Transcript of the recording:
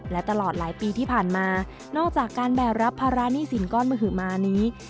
และตลอดหลายปีที่ผ่านมานอกจากการแบกรับภาระหนี้สินก้อนมหมานี้